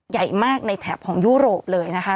ใหญ่มากในแถบของยุโรปเลยนะคะ